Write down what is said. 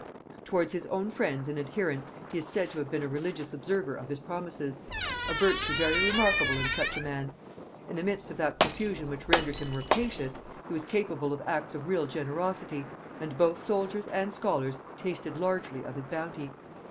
Towards his own friends and adherents he is said to have been a religious observer of his promises; a virtue very remarkable in such a man. In the midst of that profusion which rendered him rapacious, he was capable of acts of real generosity, and both soldiers and scholars tasted largely of his bounty.